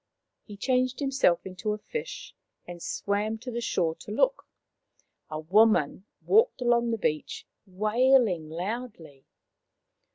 He changed himself into a fish and swam to the shore to look. A woman walked along the beach, wailing loudly.